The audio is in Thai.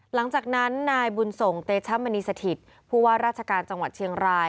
หลังจากนั้นนายบุญส่งเตชมณีสถิตผู้ว่าราชการจังหวัดเชียงราย